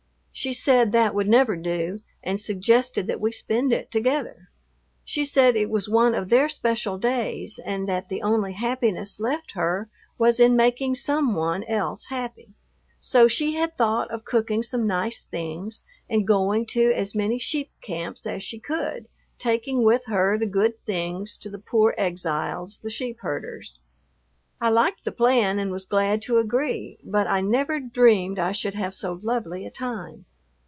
She said that would never do and suggested that we spend it together. She said it was one of their special days and that the only happiness left her was in making some one else happy; so she had thought of cooking some nice things and going to as many sheep camps as she could, taking with her the good things to the poor exiles, the sheep herders. I liked the plan and was glad to agree, but I never dreamed I should have so lovely a time.